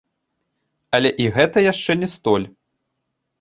Але і гэта яшчэ не столь.